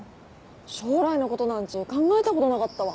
将来のことなんち考えたことなかったわ。